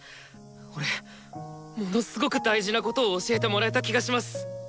俺ものすごく大事なことを教えてもらえた気がします。